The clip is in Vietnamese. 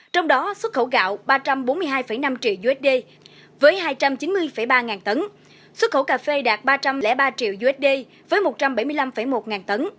trong đó xuất khẩu gạo ba trăm bốn mươi hai năm triệu usd với hai trăm chín mươi ba ngàn tấn xuất khẩu cà phê đạt ba trăm linh ba triệu usd với một trăm bảy mươi năm một nghìn tấn